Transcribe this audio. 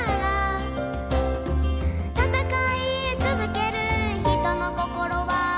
「たたかい続ける人の心は」